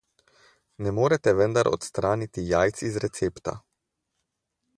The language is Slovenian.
Ne morete vendar odstraniti jajc iz recepta.